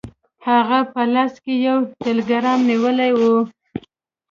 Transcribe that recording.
هغه په لاس کې یو ټیلګرام نیولی و.